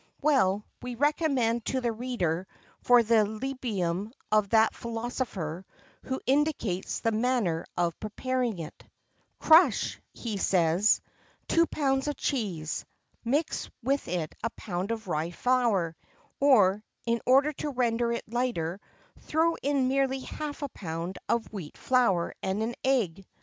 Well, we recommend to the reader the Libum of that philosopher, who indicates the manner of preparing it: "Crush," he says, "two pounds of cheese; mix with it a pound of rye flour, or, in order to render it lighter, throw in merely half a pound of wheat flour and an egg.